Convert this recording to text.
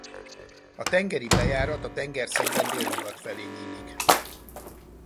A tengeri bejárat a tengerszintben délnyugat felé nyílik.